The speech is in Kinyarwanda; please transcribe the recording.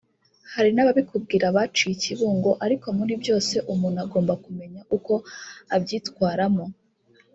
hari n’ababikubwira baciye i Kibungo ariko muri byose umuntu agomba kumenya uko abyitwaramo